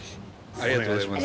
ありがとうございます。